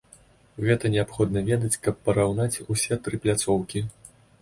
Гэта неабходна ведаць, каб параўнаць усе тры пляцоўкі.